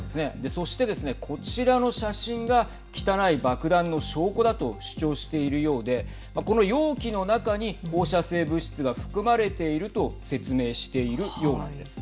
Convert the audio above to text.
そしてですね、こちらの写真が汚い爆弾の証拠だと主張しているようでこの容器の中に放射性物質が含まれていると説明しているようなんです。